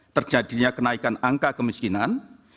terjadinya kenaikan angka kemiskinan